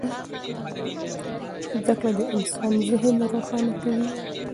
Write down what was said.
زده کړه د انسان ذهن روښانه کوي.